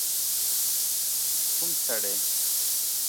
ک و م سړی؟